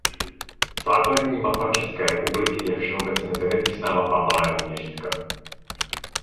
Základní mapa České republiky je všeobecně zeměpisná mapa malého měřítka.